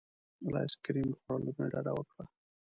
له ایس کریم خوړلو مې ډډه وکړه.